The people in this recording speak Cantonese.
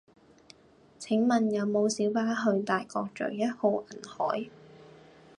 請問有無小巴去大角嘴一號銀海